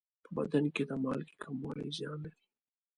په بدن کې د مالګې کموالی زیان لري.